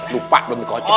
lupa belum dikocok